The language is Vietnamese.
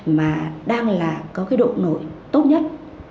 mà đang có độ nổi tốt nhất